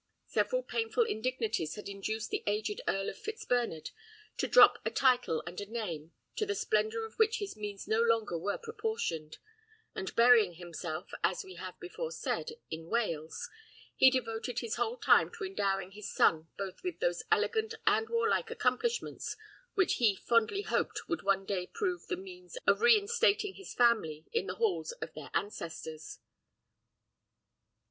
Several painful indignities had induced the aged Earl of Fitzbernard to drop a title and a name to the splendour of which his means no longer were proportioned; and burying himself, as we have before said, in Wales, he devoted his whole time to endowing his son both with those elegant and warlike accomplishments which he fondly hoped would one day prove the means of re instating his family in the halls of their ancestors.